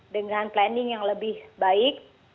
dengan planning yang lebih baik